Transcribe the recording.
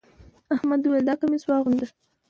احمد وويل: دا کميس واغونده.